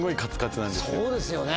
そうですよね。